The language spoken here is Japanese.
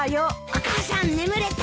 お母さん眠れた？